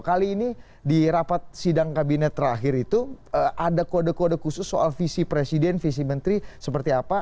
kali ini di rapat sidang kabinet terakhir itu ada kode kode khusus soal visi presiden visi menteri seperti apa